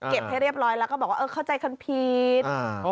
เก็บให้เรียบร้อยแล้วก็บอกว่าเข้าใจคนผิด